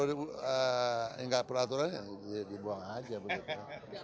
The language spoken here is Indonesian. ya nggak perlu aturan dibuang aja